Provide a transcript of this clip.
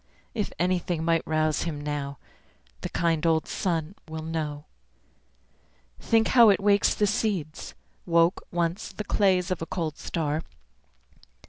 If anything might rouse him now The kind old sun will know. Think how it wakes the seeds Woke, once, the clays of a cold star.